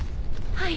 はい。